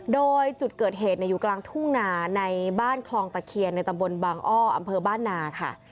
โดยจุดเกิดเหตุอยู่กลางทุ่งนาในบ้านคลองตะเคียนในตำบลบางอ้ออำเภอบ้านนาค่ะ